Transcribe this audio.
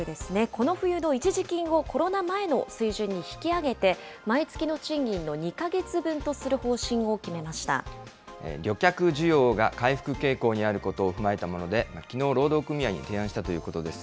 この冬の一時金をコロナ前の水準に引き上げて、毎月の賃金の２か旅客需要が回復傾向にあることを踏まえたもので、きのう、労働組合に提案したということです。